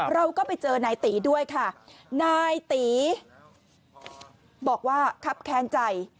เราก็ไปเจอนายตีด้วยค่ะนายตีบอกว่าครับแค้นใจ